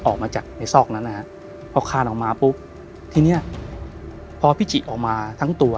ออกมาจากในซอกนั้นนะฮะพอคานออกมาปุ๊บทีเนี้ยพอพิจิออกมาทั้งตัว